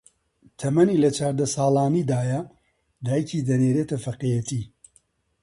تەمەنی لە چاردە ساڵاندایە، دایکی دەینێرێتە فەقێیەتی